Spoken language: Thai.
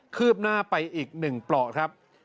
คืบหน้าไปอีกหนึ่งปลอดครับ